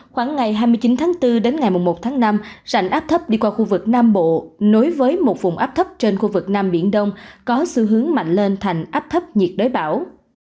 khoảng ngày hai mươi chín tháng bốn đến ngày một tháng năm rãnh áp thấp đi qua khu vực nam bộ nối với một vùng áp thấp trên khu vực nam biển đông có xu hướng mạnh lên thành áp thấp nhiệt đới bão